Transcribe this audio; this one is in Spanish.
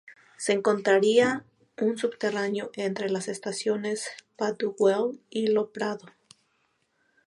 Se encontraría en subterráneo, entre las estaciones Pudahuel y Lo Prado.